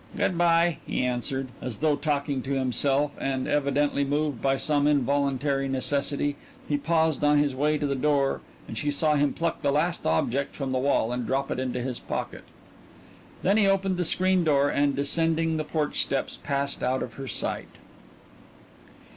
"Good by," he answered, as though talking to himself and, evidently moved by some involuntary necessity, he paused on his way to the door and she saw him pluck the last object from the wall and drop it into his pocket. Then he opened the screen door and, descending the porch steps, passed out of her sight.